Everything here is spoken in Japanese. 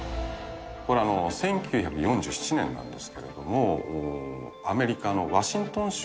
これ、１９４７年なんですけれども、アメリカのワシントン州。